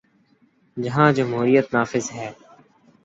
جہاں جمہوریت نافذ ہے۔